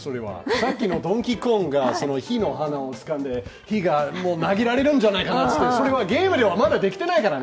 さっきの「ドンキーコング」が火の花をつかんで火が投げられるんじゃないかって、それはゲームではまだできてないですから！